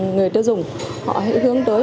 người tiêu dùng hướng tới